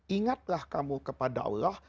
ingatlah kamu kepada allah